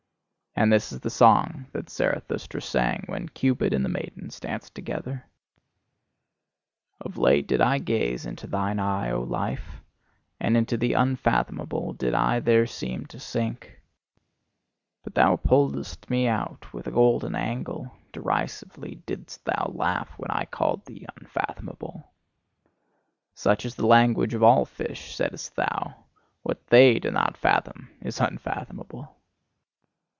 And this is the song that Zarathustra sang when Cupid and the maidens danced together: Of late did I gaze into thine eye, O Life! And into the unfathomable did I there seem to sink. But thou pulledst me out with a golden angle; derisively didst thou laugh when I called thee unfathomable. "Such is the language of all fish," saidst thou; "what THEY do not fathom is unfathomable.